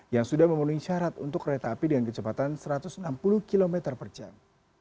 yang sudah memenuhi syarat untuk kereta api dengan kecepatan satu ratus enam puluh km per jam